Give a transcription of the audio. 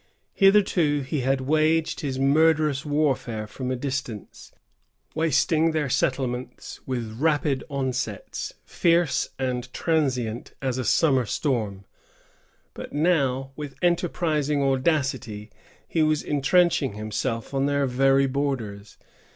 Hitherto he had waged his murderous warfare from a distance, wasting their settlements with rapid onsets, fierce and transient as a summer storm; but now, with enterprising audacity, he was intrenching himself on their very borders.